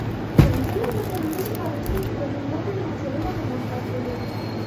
که نجونې په ټولنیزو فعالیتونو کې ګډون وکړي، نو ټولنه پرمختګ کوي.